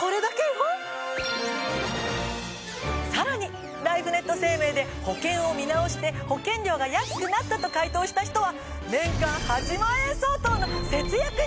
さらにライフネット生命で保険を見直して保険料が安くなったと回答した人は。